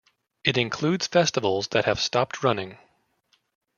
It includes festivals that have stopped running.